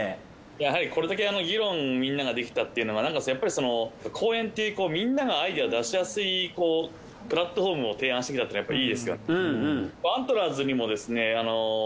やはりこれだけあの議論みんなができたっていうのはやっぱり公園っていうみんながアイデアを出しやすいプラットフォームを提案してみたっていうのはいいですよね。